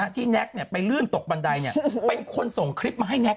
ที่แน็กไปลื่นตกบันได